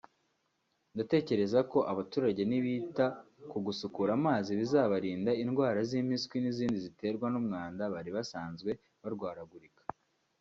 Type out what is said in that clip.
ndatekereza ko abaturage nibita kugusukura amazi bizabarinda indwara z’impiswi n’izindi ziterwa n’umwanda bari basanzwe barwaragurika